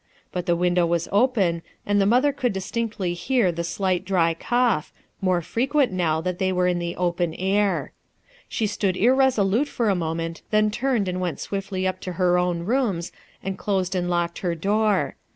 But the window was open and the mother could distinctly hear the fclight dry c0U S h more h(if \ utni now that Ihc y were in the open air. She stood irresolute /or a moment, then turned and went swiftly up to her own rooms and closed and locked her door.